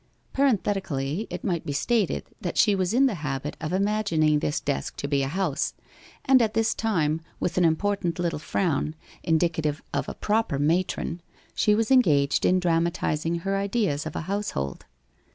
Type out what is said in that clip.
Parenthetically it might be stated that she was in the habit of imagining this desk to be a house, and at this time, with an important little frown, indicative of a proper matron, she was engaged in dramatizing her ideas of a household.